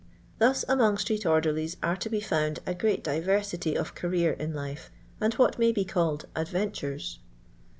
Thus among street orderlies are to be found a great diversity of career in life, and what may be called adventnrei.